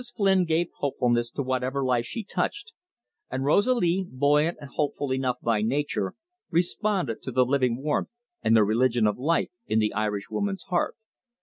Flynn gave hopefulness to whatever life she touched, and Rosalie, buoyant and hopeful enough by nature, responded to the living warmth and the religion of life in the Irishwoman's heart.